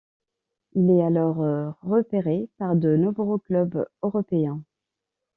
Il est alors repéré par de nombreux clubs européens.